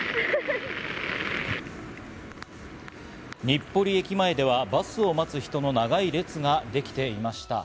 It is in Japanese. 日暮里駅前ではバスを待つ人の長い列ができていました。